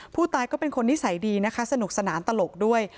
ผู้ตายก็เป็นคนนิสัยดีนะคะสนุกสนานตลกด้วย